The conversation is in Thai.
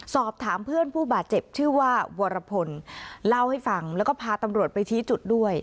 สอบถามเพื่อนผู้บาดเจ็บชื่อว่าวรพลเล่าให้ฟังแล้วก็พาตำรวจไปชี้จุดด้วย